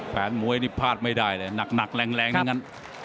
แฟนมวยนี่พลาดไม่ได้เลยหนักแรงทั้งนั้น